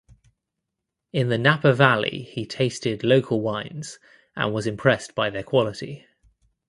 In the Napa Valley he tasted local wines and was impressed by their quality.